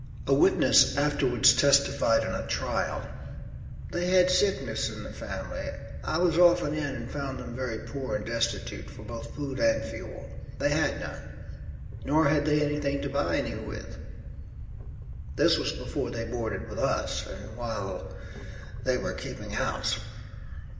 A witness afterwards testified in a trial: "They had sickness in the family; I was often in and found them very poor and destitute, for both food and fuel. They had none, nor had they anything to buy any with. This was before they boarded with us, and while they were keeping house.